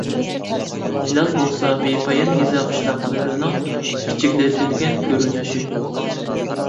پىلال بولسا بىپايان يېزا-قىشلاقلىرىنىڭ كىچىكلىتىلگەن كۆرۈنۈشى.